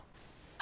あ！